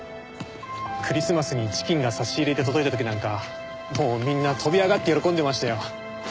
クリスマスにチキンが差し入れで届いた時なんかもうみんな跳び上がって喜んでましたよ。